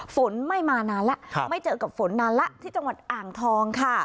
ฝนไม่มานานแล้วไม่เจอกับฝนนานแล้วที่จังหวัดอ่างทองค่ะ